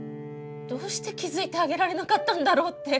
どうして気付いてあげられなかったんだろうって。